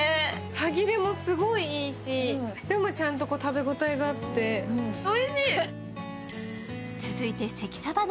歯切れもすごいいいし、でもちゃんと食べ応えがあっておいしい。